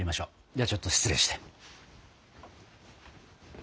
ではちょっと失礼して。